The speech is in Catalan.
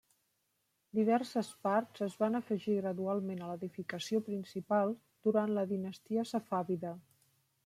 Diverses parts es van afegir gradualment a l'edificació principal durant la dinastia safàvida.